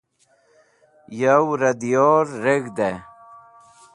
Yow Ra Diyor Reg̃hde